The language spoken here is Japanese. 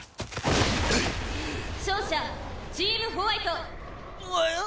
「勝者チームホワイト」えっ！？